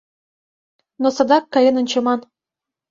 Но садак каен ончыман.